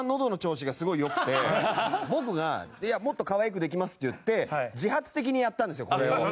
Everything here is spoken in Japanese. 僕が「いやもっと可愛くできます」って言って自発的にやったんですよこれを。